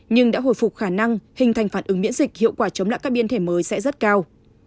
nhưng đã hồi phục khả năng hình thành phản ứng miễn dịch hiệu quả chống lại các biến thể mới sẽ rất cao